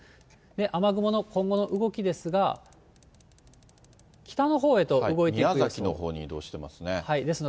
雨雲の今後の動きですが、宮崎のほうに移動してますね。